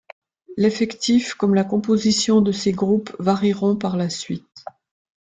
L'effectif comme la composition de ses groupes varieront par la suite.